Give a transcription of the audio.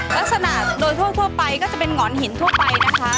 ลักษณะโดยทั่วไปก็จะเป็นหงอนหินทั่วไปนะคะ